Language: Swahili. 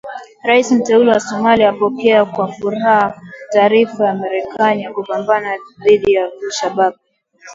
Rais Mteule wa Somalia amepokea kwa furaha taarifa ya Marekani ya kupambana dhidi ya Al Shabaab.